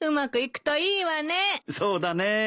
そうだね。